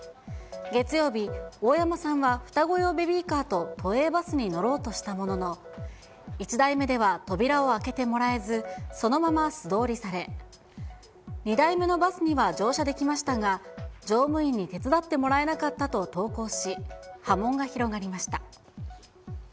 月曜日、大山さんは双子用ベビーカーと都営バスに乗ろうとしたものの、１台目では扉を開けてもらえず、そのまま素通りされ、２台目のバスには乗車できましたが、乗務員に手伝ってもらえなかったと投稿し、波紋が広がりました。